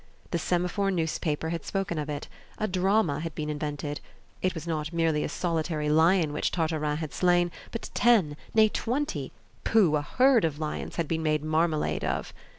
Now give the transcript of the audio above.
The Semaphore newspaper had spoken of it. A drama had been invented. It was not merely a solitary lion which Tartarin had slain, but ten, nay, twenty pooh! a herd of lions had been made marmalade of.